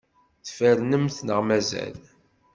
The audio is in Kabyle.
Tfernemt neɣ mazal?